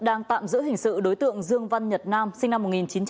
đang tạm giữ hình sự đối tượng dương văn nhật nam sinh năm một nghìn chín trăm tám mươi